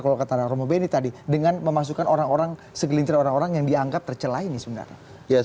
kalau kata romo beni tadi dengan memasukkan orang orang segelintir orang orang yang dianggap tercelah ini sebenarnya